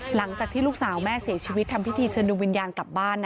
หลังจากที่ลูกสาวแม่เสียชีวิตทำพิธีเชิญดูวิญญาณกลับบ้าน